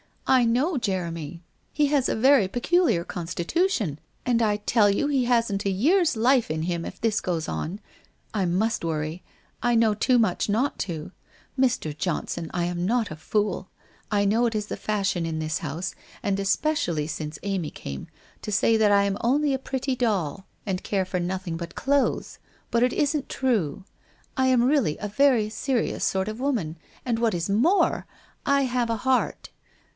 I know Jeremy. He has a very peculiar constitution, and I tell you he hasn't a year's life in him if this goes on. I must worry; I know too much not to. Mr. Johnson, I am not a fool. I know it is the fashion in this house, and especially since Amy came, to say that I am only a pretty doll and care 392 WHITE ROSE OF WEARY LEAF for nothing but clothes, but it isn't true. I am really a very serious sort of womaD, and what is more, I have a heart.